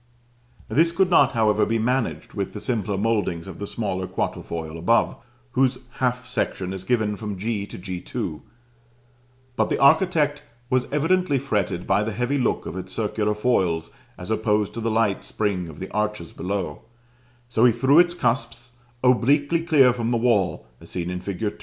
This could not, however, be managed with the simpler mouldings of the smaller quatrefoil above, whose half section is given from g to g_2; but the architect was evidently fretted by the heavy look of its circular foils as opposed to the light spring of the arches below: so he threw its cusps obliquely clear from the wall, as seen in fig.